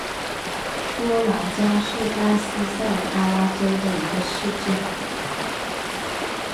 波兰加是巴西塞阿拉州的一个市镇。